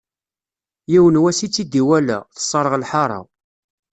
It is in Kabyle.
Yiwen wass i tt-id-iwala, tesserɣ lḥaṛa.